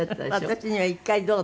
私には「一回どう？」